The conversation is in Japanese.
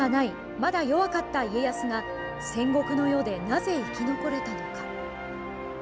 まだ弱かった家康が戦国の世でなぜ生き残れたのか。